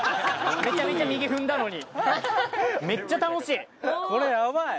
めちゃめちゃ右踏んだのにめっちゃ楽しいこれヤバい！